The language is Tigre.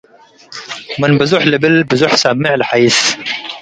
ምን ብዞሕ ልብል፡ ብዞሕ ሰሜዕ ለሐይስ።